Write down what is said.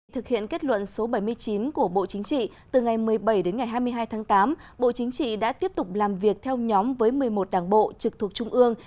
thực hiện kết luận số bảy mươi chín của bộ chính trị từ ngày một mươi bảy đến ngày hai mươi hai tháng tám bộ chính trị đã tiếp tục làm việc theo nhóm với một mươi một đảng bộ trực thuộc trung ương